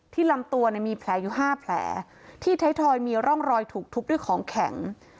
ที่ลำตัวน่ะมีแผลอยู่ห้าแผลที่ท้ายทรอยมีร่องรอยถูกทุบด้วยของแข็ง